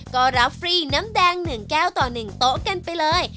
ก็รับฟรีน้ำแดง๑แก้วต่อ๑โต๊ะกันไปเลย